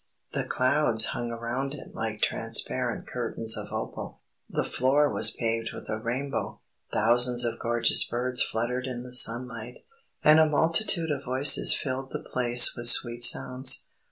The clouds hung around it like transparent curtains of opal. The floor was paved with a rainbow. Thousands of gorgeous birds fluttered in the sunlight, and a multitude of voices filled the place with sweet sounds.